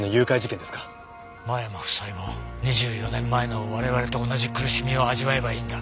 間山夫妻も２４年前の我々と同じ苦しみを味わえばいいんだ。